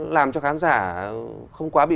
làm cho khán giả không quá bị